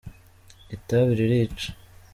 itabi ririca